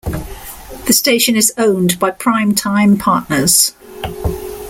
The station is owned by Prime Time Partners.